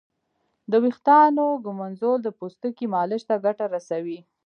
د ویښتانو ږمنځول د پوستکي مالش ته ګټه رسوي.